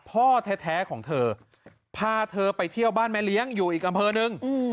พ่อแท้ของเธอพาเธอไปเที่ยวบ้านแม่เลี้ยงอยู่อีกอำเภอหนึ่ง